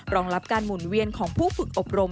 รองรับการหมุนเวียนของผู้ฝึกอบรม